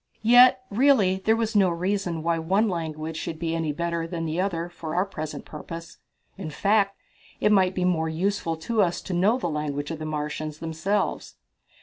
Yet, really, there was no reason why one language should be any better than the other for our present purpose. In fact, it might be more useful to us to know the language of the Martians themselves.